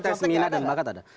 tes mina dan mbakat ada